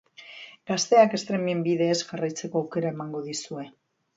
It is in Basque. Gazteak streaming bidez jarraitzeko aukera emango dizue.